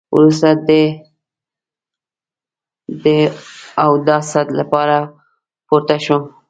وروسته د اوداسه لپاره پورته شوم.